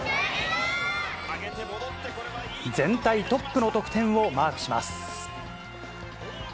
全体トップの得点をマークします。